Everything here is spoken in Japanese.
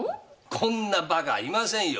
こんなバカいませんよ！